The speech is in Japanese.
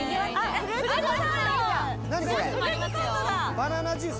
バナナジュース？